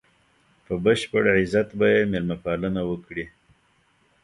په بشپړ عزت به یې مېلمه پالنه وکړي.